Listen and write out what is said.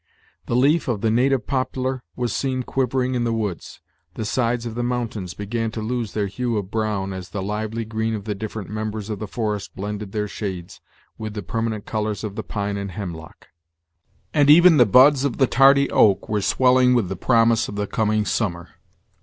The leaf of the native poplar was seen quivering in the woods; the sides of the mountains began to lose their hue of brown, as the lively green of the different members of the forest blended their shades with the permanent colors of the pine and hemlock; and even the buds of the tardy oak were swelling with the promise of the coming summer.